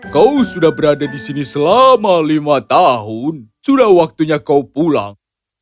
kau sudah berada di sini selama lima tahun sudah waktunya kau pulang